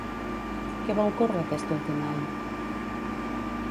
Què va ocórrer aquest últim any?